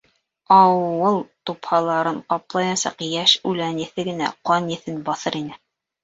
Ауыл тупһаларын ҡаплаясаҡ йәш үлән еҫе генә ҡан еҫен баҫыр ине.